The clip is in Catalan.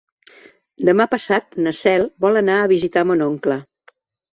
Demà passat na Cel vol anar a visitar mon oncle.